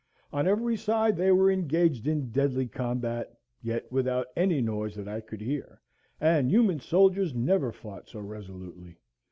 On every side they were engaged in deadly combat, yet without any noise that I could hear, and human soldiers never fought so resolutely.